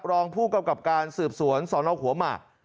รองผู้กำกับการสืบสวนสนหัวหมาก